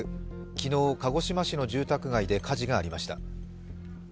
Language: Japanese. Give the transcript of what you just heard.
昨日、鹿児島市の住宅街で火事がありました。